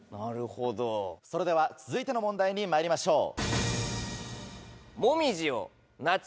それでは続いての問題にまいりましょう。